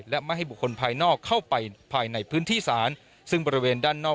และไม่ให้บุคคลภายนอกเข้าไปภายในพื้นที่ศาลซึ่งบริเวณด้านนอก